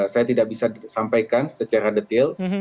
saya tidak bisa disampaikan secara detail